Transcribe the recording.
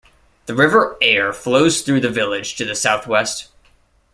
The River Aire flows through the village to the south-west.